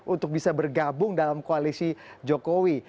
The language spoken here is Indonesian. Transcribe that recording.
untuk bisa bergabung dalam koalisi jokowi